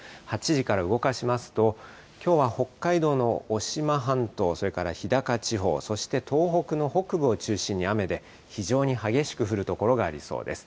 ８時から動かしますと、きょうは北海道の渡島半島、それから日高地方、そして東北の北部を中心に雨で、非常に激しく降る所がありそうです。